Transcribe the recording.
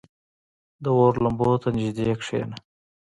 • د اور لمبو ته نږدې کښېنه.